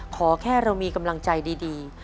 ขอแค่เรามีกำลังใจดี